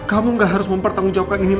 kamu gak harus mempertanggungjawabkan ini